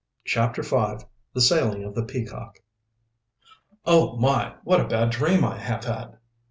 CHAPTER V. THE SAILING OF THE "PEACOCK." "Oh, my, what a bad dream I have had!"